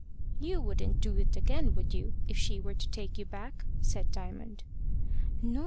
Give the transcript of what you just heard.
"You wouldn't do it again would you if she were to take you back?" said Diamond. "No.